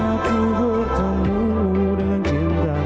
aku bertemu dengan cinta